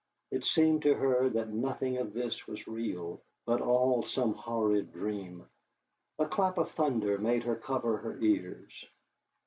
It seemed to her that nothing of this was real, but all some horrid dream. A clap of thunder made her cover her ears.